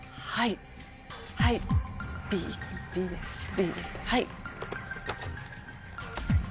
Ｂです。